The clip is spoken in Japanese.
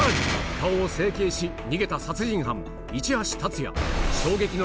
顔を整形し逃げた殺人犯衝撃の